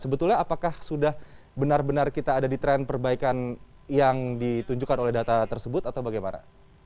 sebetulnya apakah sudah benar benar kita ada di tren perbaikan yang ditunjukkan oleh data tersebut atau bagaimana